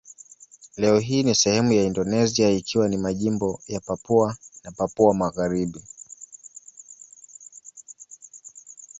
Leo hii ni sehemu ya Indonesia ikiwa ni majimbo ya Papua na Papua Magharibi.